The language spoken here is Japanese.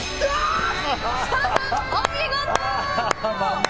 設楽さん、お見事！